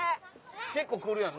結構来るやんな。